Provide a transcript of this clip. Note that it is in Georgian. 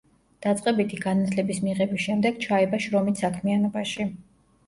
დაწყებითი განათლების მიღების შემდეგ ჩაება შრომით საქმიანობაში.